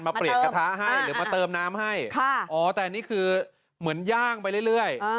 เปลี่ยนกระทะให้หรือมาเติมน้ำให้อ๋อแต่นี่คือเหมือนย่างไปเรื่อย